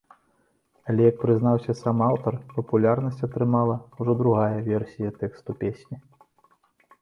Але, як прызнаўся сам аўтар, папулярнасць атрымала ўжо другая версія тэксту песні.